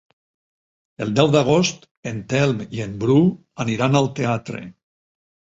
El deu d'agost en Telm i en Bru aniran al teatre.